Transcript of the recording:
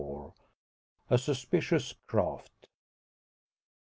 A SUSPICIOUS CRAFT.